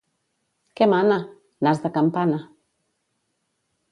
—Què mana? —Nas de campana.